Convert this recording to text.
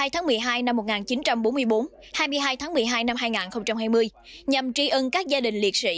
hai mươi tháng một mươi hai năm một nghìn chín trăm bốn mươi bốn hai mươi hai tháng một mươi hai năm hai nghìn hai mươi nhằm tri ân các gia đình liệt sĩ